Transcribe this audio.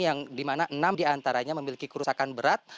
yang dimana enam diantaranya memiliki kerusakan berat